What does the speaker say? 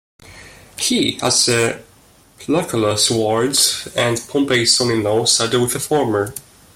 He, as Lucullus' ward and Pompey's son-in-law, sided with the former.